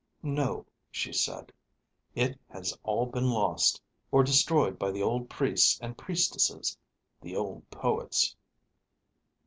"No," she said. "It has all been lost, or destroyed by the old priests and priestesses, the old poets.